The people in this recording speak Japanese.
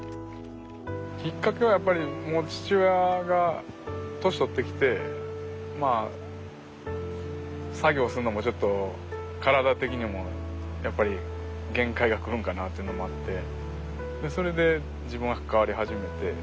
きっかけはやっぱり父親が年取ってきてまあ作業するのもちょっと体的にもやっぱり限界が来るんかなというのもあってそれで自分が関わり始めて。